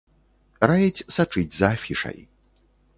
Раіць сачыць за афішай.